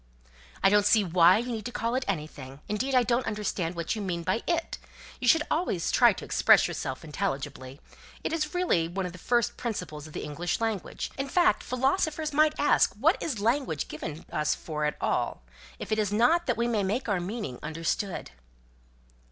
"I don't see why you need to call it anything. Indeed, I don't understand what you mean by 'it.' You should always try to express yourself intelligibly. It really is one of the first principles of the English language. In fact, philosophers might ask what is language given us for at all, if it is not that we may make our meaning understood?"